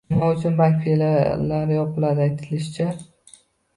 Nima uchun bank filiallari yopiladi? Aytilishicha